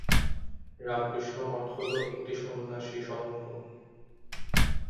রামকৃষ্ণ মঠ হল একটি সন্ন্যাসী সংঘ।